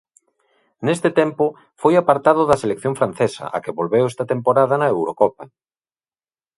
Neste tempo foi apartado da selección francesa, á que volveu esta temporada na Eurocopa.